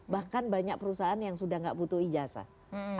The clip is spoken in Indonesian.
bahkan banyak perusahaan yang sudah tidak butuh ijazah